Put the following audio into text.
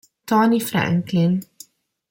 Tony Franklin